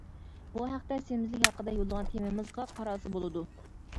بۇ ھەقتە سېمىزلىك ھەققىدە يوللىغان تېمىمىزغا قارالسا بولىدۇ.